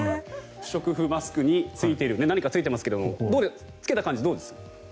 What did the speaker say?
不織布マスクに何かついていますが着けた感じはどうですか？